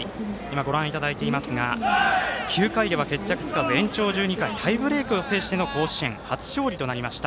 ご覧いただいていますが９回では決着つかず延長１２回タイブレークを制しての甲子園初勝利となりました。